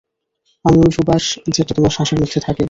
আমি ঐ সুবাস যেটা তোমার শ্বাসের মধ্যে থাকে।